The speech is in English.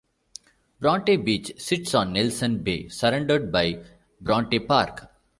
Bronte Beach sits on Nelson Bay, surrounded by Bronte Park.